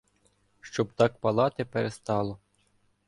Щоб так палати перестало